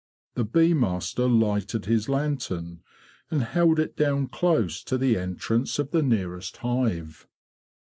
The bee master lighted his lantern, and held it down close to the entrance of the nearest hive.